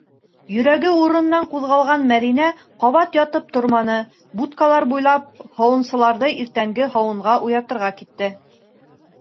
Йөрәге урынынан ҡуҙғалған Мәҙинә ҡабат ятып торманы, будкалар буйлап һауынсыларҙы иртәнге һауынға уятырға китте.